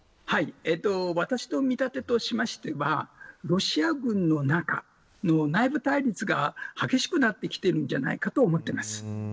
私の見立てとしましてはロシア軍の中の内部対立が激しくなってきているんじゃないかと思います。